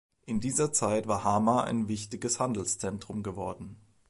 In dieser Zeit war Hama ein wichtiges Handelszentrum geworden.